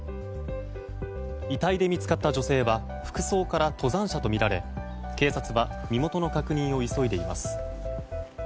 遺体で見つかった女性は服装から登山者とみられ警察は身元の確認を急いでいます。